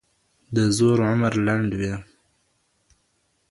د زور عمر لنډ وي